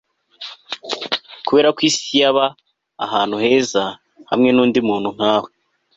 kuberako isi yaba ahantu heza hamwe nundi muntu nkawe